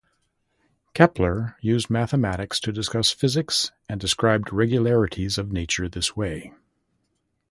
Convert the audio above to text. Kepler used mathematics to discuss physics and described regularities of nature this way.